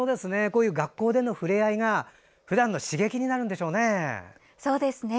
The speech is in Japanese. こういう学校での触れ合いがふだんの刺激になるんでしょうね。